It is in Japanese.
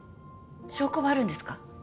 証拠はあるんですか？